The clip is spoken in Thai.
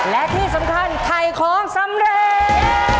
และที่สำคัญไทยคล้องสำเร็จ